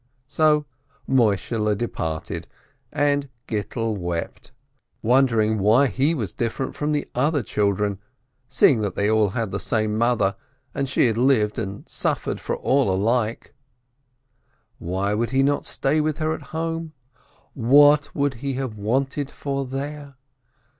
So Moishehle departed, and Gittel wept, wondering why he was different from the other children, seeing they all had the same mother, and she had lived and suffered for all alike. Why would he not stay with her at home ? What would he have wanted for there